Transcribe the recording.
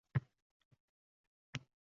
Yoʻl chetida turgan qariyani olib ketdim.